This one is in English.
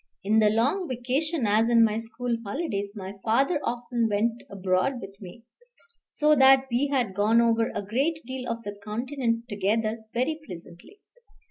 In the long vacation, as in my school holidays, my father often went abroad with me, so that we had gone over a great deal of the Continent together very pleasantly.